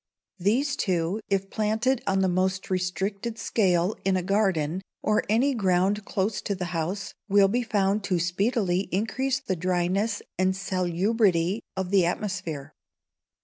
These two, if planted on the most restricted scale in a garden or any ground close to the house, will be found to speedily increase the dryness and salubrity of the atmosphere.